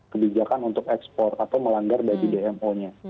kebijakan untuk ekspor atau melanggar bagi dmo nya